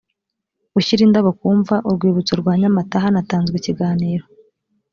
gushyira indabo kumva urwibutsorwanyamata hanatanzwe ikiganiro